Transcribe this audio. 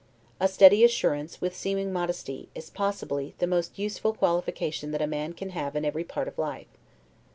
A steady assurance, with seeming modesty, is possibly the most useful qualification that a man can have in every part of life.